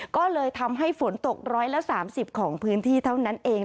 ก็เลยทำให้ฝนตกร้อยละสามสิบของพื้นที่เท่านั้นเอง